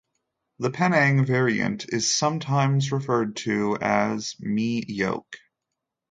The Penang variant is sometimes referred to as "mee yoke".